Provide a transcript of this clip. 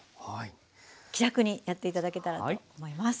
気楽にやって頂けたらと思います。